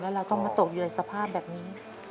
แล้วเราต้องมาตกอยู่ในสภาพแบบนี้